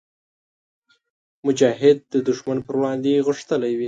مجاهد د ښمن پر وړاندې غښتلی وي.